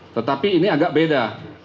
tetapi ini agak beda